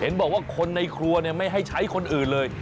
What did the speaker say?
บอกว่าคนในครัวไม่ให้ใช้คนอื่นเลย